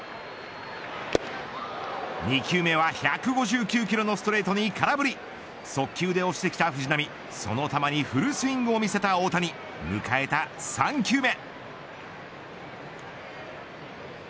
２球目は１５９キロのストレートに空振り速球で押してきた藤浪その球にフルスイングを見せた大谷迎えた３球目。